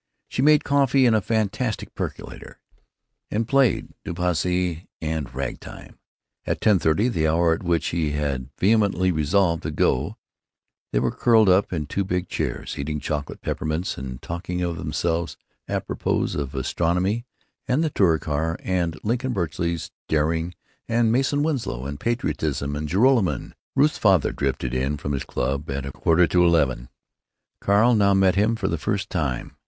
She made coffee in a fantastic percolator, and played Débussy and ragtime. At ten thirty, the hour at which he had vehemently resolved to go, they were curled in two big chairs eating chocolate peppermints and talking of themselves apropos of astronomy and the Touricar and Lincoln Beachey's daring and Mason Winslow and patriotism and Joralemon. Ruth's father drifted in from his club at a quarter to eleven. Carl now met him for the first time.